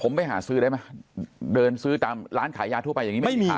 ผมไปหาซื้อได้ไหมเดินซื้อตามร้านขายยาทั่วไปอย่างนี้ไม่มี